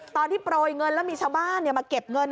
โปรยเงินแล้วมีชาวบ้านมาเก็บเงิน